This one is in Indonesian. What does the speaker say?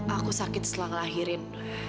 aku sakit setelah ngelahirin